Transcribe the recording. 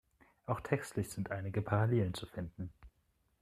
Auch textlich sind einige Parallelen zu finden.